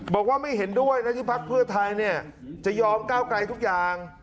บอกว่าไม่เห็นด้วยนะที่พักเพื่อไทยจะยอมก้าวไกลทุกอย่าง